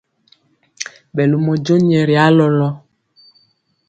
Ɓɛ lomɔ jon nyɛ ri alɔlɔŋ.